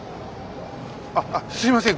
ああすいません